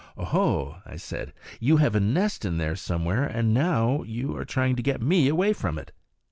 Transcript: "Oho," I said, "you have a nest in there somewhere, and now you are trying to get me away from it."